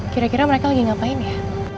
kira kira mereka lagi ngapain ya